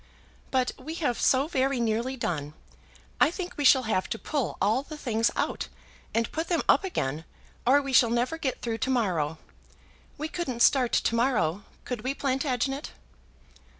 "But we have so very nearly done. I think we shall have to pull all the things out, and put them up again, or we shall never get through to morrow. We couldn't start to morrow; could we, Plantagenet?"